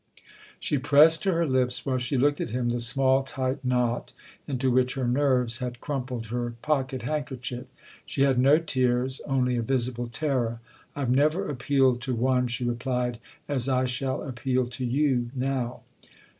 " She pressed to her lips while she looked at him the small tight knot into which her nerves had crumpled her pocket handkerchief. She had no tears only a visible terror. " I've never appealed to one," she replied, " as I shall appeal to you now.